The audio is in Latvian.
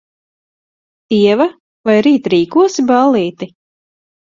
Ieva, vai rīt rīkosi ballīti?